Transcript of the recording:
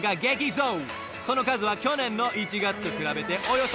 ［その数は去年の１月と比べておよそ１００倍！］